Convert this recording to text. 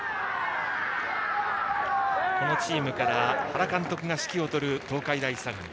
このチームから原監督が指揮を執る東海大相模。